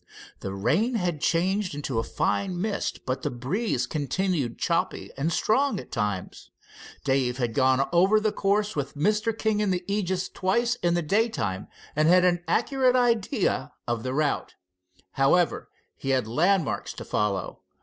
The rain had changed into a fine mist, but the breeze continued choppy and strong at times. Dave had gone over the course with Mr. King in The Aegis twice in the daytime, and had an accurate idea of the route. However, he had landmarks to follow.